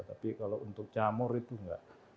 tapi kalau untuk jamur itu enggak